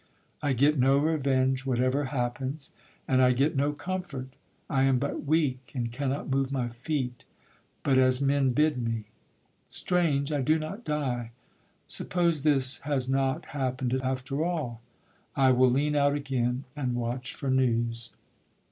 I get no revenge, Whatever happens; and I get no comfort: I am but weak, and cannot move my feet, But as men bid me. Strange I do not die. Suppose this has not happen'd after all? I will lean out again and watch for news.